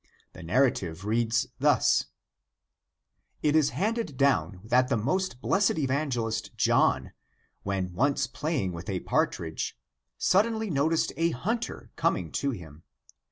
The narrative reads thus : It is handed down that the most blessed evangelist John, when once playing with a partridge, suddenly noticed a hunter coming to him.